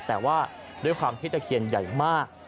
แต่ว่าด้วยความที่ตะเคียนใหญ่มาก